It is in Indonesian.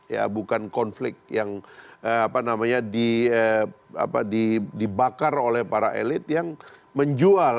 ya bukan konflik yang apa namanya dibakar oleh para elit yang menjual